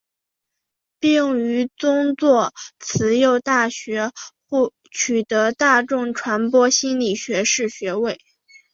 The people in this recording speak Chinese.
并于宗座慈幼大学取得大众传播心理学学士学位。